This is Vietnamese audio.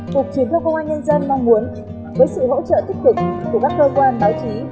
cục truyền thông công an nhân dân mong muốn với sự hỗ trợ tích cực của các cơ quan báo chí